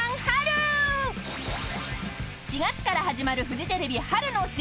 ［４月から始まるフジテレビ春の新ドラマ